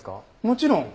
もちろん。